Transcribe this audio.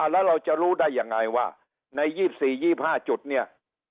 แล้วเราจะรู้ได้ยังไงว่าใน๒๔๒๕จุดเนี่ย